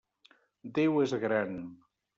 Déu és gran.